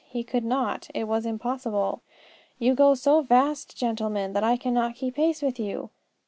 He could not. It was impossible. "You go so fast, gentlemen, that I cannot keep pace with you.